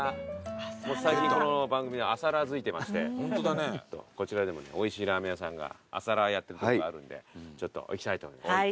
最近この番組は朝ラーづいてましてこちらでもおいしいラーメン屋さんが朝ラーやってるとこがあるんでちょっと行きたいと思います。